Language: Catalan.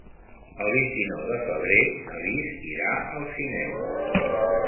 El vint-i-nou de febrer na Lis irà al cinema.